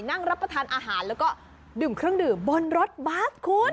นั่งรับประทานอาหารแล้วก็ดื่มเครื่องดื่มบนรถบัสคุณ